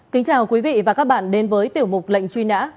kính chào quý vị và các bạn đến với tiểu mục lệnh truy nã